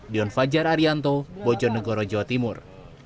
dion fajar arianto bojonegoro jawa timur